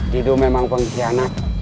dido memang pengkhianat